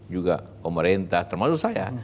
juga pemerintah termasuk saya